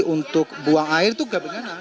untuk buang air itu enggak benar